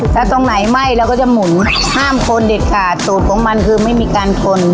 ถ้าตรงไหนไหม้เราก็จะหมุนห้ามคนเด็ดขาดสูตรของมันคือไม่มีการคน